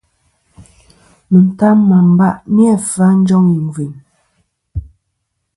Mɨtam mɨ amba ni-a vfɨ a njoŋ igvɨyn.